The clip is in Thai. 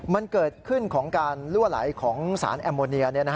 มันเกิดขึ้นของการลั่วไหลของสารแอมโมเนีย